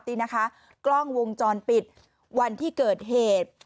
นี่นะคะกล้องวงจรปิดวันที่เกิดเหตุ